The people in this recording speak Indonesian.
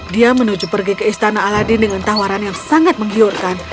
dia menuju pergi ke istana aladin dengan tawaran yang sangat menggiurkan